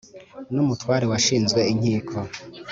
n' umutware washinzwe inkiko.